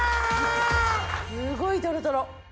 すごいトロトロ！